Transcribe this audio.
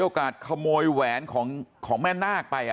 สวัสดีครับคุณผู้ชาย